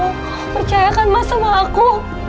aku percayakan mas sama aku